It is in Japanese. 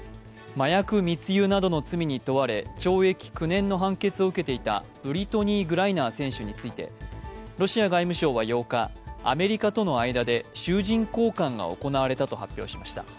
麻薬密輸などの罪に問われ、懲役９年の判決を受けていたブリトニー・グライナー選手についてロシア外務省は８日アメリカとの間で囚人交換が行われたと発表しました。